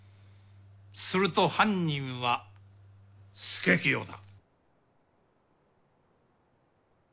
すると犯人は佐清だ。